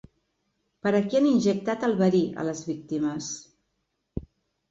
Per aquí han injectat el verí a les víctimes.